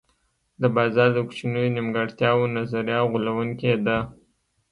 د بازار د کوچنیو نیمګړتیاوو نظریه غولوونکې ده.